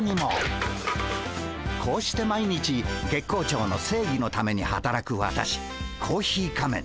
こうして毎日月光町の正義のためにはたらく私コーヒー仮面。